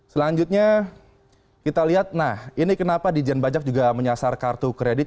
selanjutnya kita lihat nah ini kenapa dijen pajak juga menyasar kartu kredit